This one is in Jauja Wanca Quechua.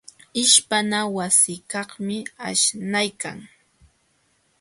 Ishpana wasikaqmi aśhnaykan.